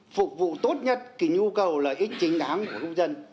phục vụ tốt nhất cái nhu cầu lợi ích chính đáng của công dân